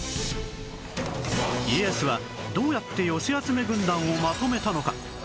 家康はどうやって寄せ集め軍団をまとめたのか？